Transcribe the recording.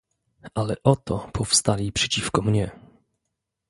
"Ale oto powstali przeciwko mnie."